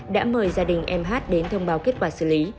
đã mời gia đình em hát đến thông báo kết quả xử lý